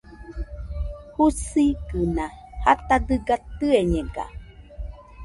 Jusigɨna jata dɨga tɨeñega